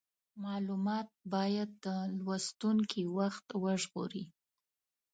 مالومات باید د لوستونکي وخت وژغوري.